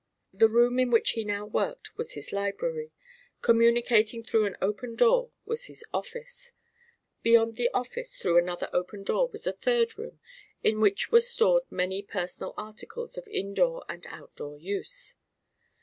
The room in which he now worked was his library; communicating through an open door was his office; beyond the office through another open door was a third room in which were stored many personal articles of indoor and outdoor use.